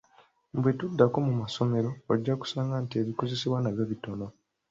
Bwe tuddako mu masomero, ojja kusanga nti ebikozesebwa nabyo bitono.